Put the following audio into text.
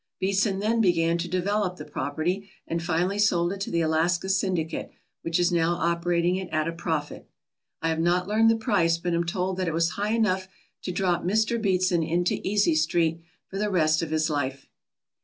Beatson then began to develop the property and finally sold it to the Alaska Syndicate, which is now operating it at a profit. I have not learned the price but am told that it was high enough to drop Mr. Beatson into "Easy Street" for the rest of his life.